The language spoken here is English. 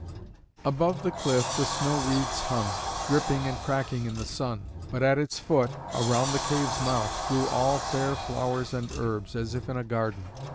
Above the cliff the snow wreaths hung, dripping and cracking in the sun. But at its foot, around the cave's mouth, grew all fair flowers and herbs, as if in a garden.